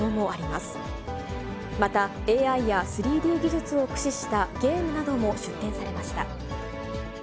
また、ＡＩや３Ｄ技術を駆使したゲームなども出展されました。